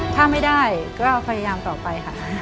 ถ้าไม่ได้ก็พยายามต่อไปค่ะ